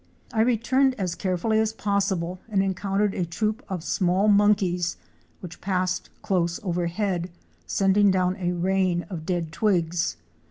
I returned as carefully as possible and encountered a troup of small monkeys which passed close overhead, sending down a rain of dead twigs.